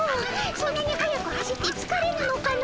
そんなに速く走ってつかれぬのかの？